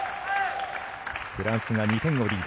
フランスが２点をリード。